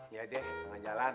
iya deh tangga jalan